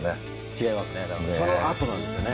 違いますね。